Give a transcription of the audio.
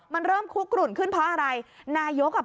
มนเริ่มควกรุ่นขึ้นเพราะอะไร